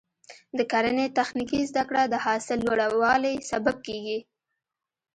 د کرنې تخنیکي زده کړه د حاصل لوړوالي سبب کېږي.